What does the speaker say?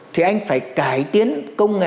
thì anh phải cải tiến công nghệ